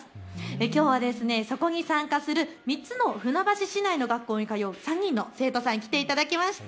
きょうはそこに参加する３つの船橋市内の学校の代表３人にきょう来ていただきました。